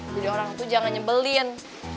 orang itu jangan nyebelin